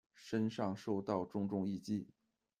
身上受到重重一击